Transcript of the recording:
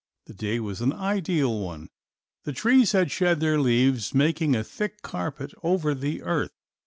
The day was an ideal one. The trees had shed their leaves, making a thick carpet over the earth.